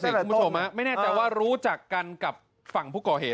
คุณผู้ชมไม่แน่ใจว่ารู้จักกันกับฝั่งผู้ก่อเหตุ